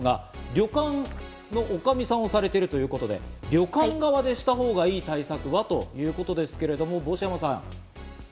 旅館の女将さんをされているということで、旅館側でしたほうがいい対策は？ということです。